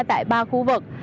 tại ba khu vực